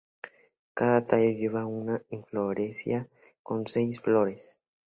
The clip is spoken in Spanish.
Cada tallo lleva una inflorescencia con seis flores.